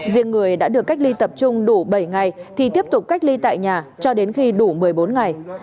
riêng người đã được cách ly tập trung đủ bảy ngày thì tiếp tục cách ly tại nhà cho đến khi đủ một mươi bốn ngày